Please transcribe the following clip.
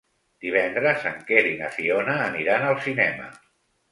Divendres en Quer i na Fiona aniran al cinema.